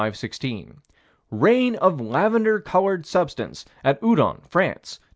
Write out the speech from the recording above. Rain of lavender colored substance, at Oudon, France, Dec.